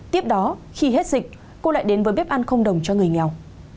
tiếp đó khi hết dịch cô lại đến với bếp ăn không đồng cho người nghèo